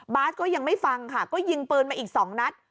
บาสก็ยังไม่ฟังค่ะก็ยิงปืนมาอีก๒นัด